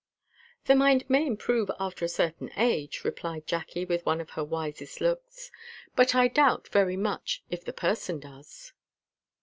"The mind may improve after a certain age," replied Jacky, with one of her wisest looks, "but I doubt very much if the person does."